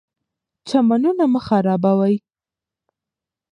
چمنونه مه خرابوئ.